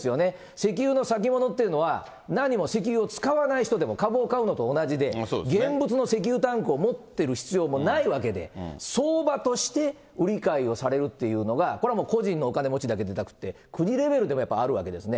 石油の先物っていうのは、何も石油を使わない人でも、株を買うのと同じで、現物の石油タンクを持っている必要もないわけで、相場として売り買いをされるというのが、これはもう個人のお金持ちだけじゃなくって、国レベルであるわけですよね。